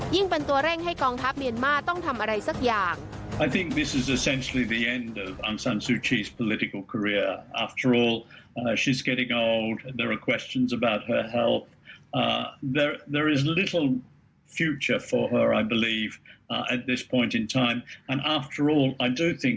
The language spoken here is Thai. เป็นตัวเร่งให้กองทัพเมียนมาร์ต้องทำอะไรสักอย่าง